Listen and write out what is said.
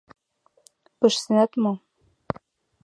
Пыштенат мо?